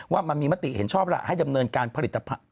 ว่ามันมีมติเห็นชอบล่ะให้ดำเนินการผลิตภัณฑ